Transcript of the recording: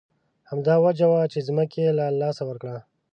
همدا وجه وه چې ځمکه یې له لاسه ورکړه.